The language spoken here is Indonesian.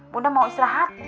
bunda mau istirahat